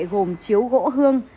gồm chiếu gỗ hương